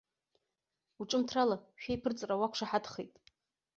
Уҿымҭрала, шәеиԥырҵра уақәшаҳаҭхеит.